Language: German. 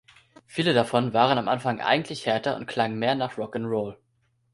Viele davon waren am Anfang eigentlich härter und klangen mehr nach Rock ’n’ Roll.